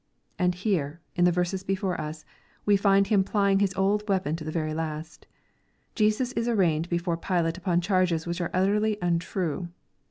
And here, in the verses before us, we find him plying his old weapon to the very last. Jesus is arraigned before Pilate upon charges which are utterly untrue.